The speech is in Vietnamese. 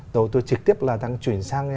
đầu tư trực tiếp là đang chuyển sang